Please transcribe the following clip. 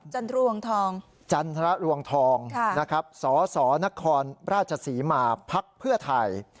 รวงทองจันทรรวงทองนะครับสสนครราชศรีมาพักเพื่อไทย